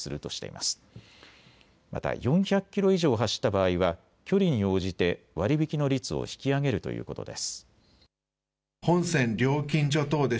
また４００キロ以上を走った場合は距離に応じて割り引きの率を引き上げるということです。